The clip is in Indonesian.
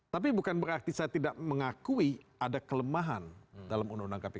tapi bukan berarti saya tidak mengakui ada kelemahan dalam undang undang kpk